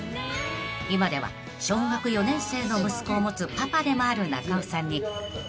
［今では小学４年生の息子を持つパパでもある中尾さんに色々］